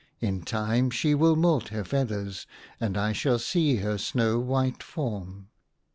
In time she will moult her feathers, and I shall see her snow white form."